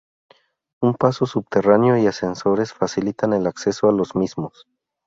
Un paso subterráneo y ascensores facilitan el acceso a los mismos.